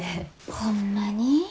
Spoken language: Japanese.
ホンマに？